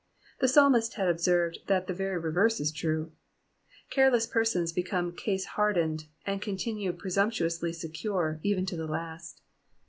The psalmist had observed that the very reverse is true. Careless persons become case hardened, and con tinue presumptuously secure, even to the last.